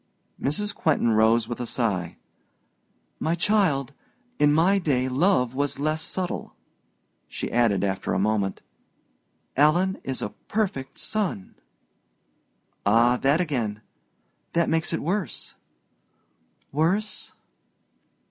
Mrs. Quentin rose with a sigh. "My child, in my day love was less subtle." She added, after a moment, "Alan is a perfect son." "Ah, that again that makes it worse!" "Worse?"